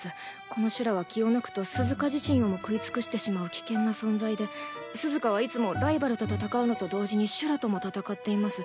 この修羅は気を抜くとスズカ自身をも食い尽くしてしまう危険な存在でスズカはいつもライバルと戦うのと同時に修羅とも戦っています。